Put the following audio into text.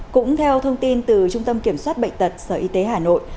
cũng theo thông tin từ trung tâm kiểm soát bệnh tật sở y tế hà nội